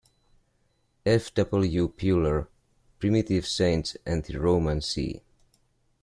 F. W. Puller, "Primitive Saints and the Roman See".